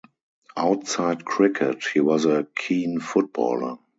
Outside cricket, he was a keen footballer.